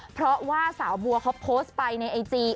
เพราะว่าสาวบัวเขาโพสต์ไปในไอจี